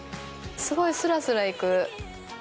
すごいスラスラ行く。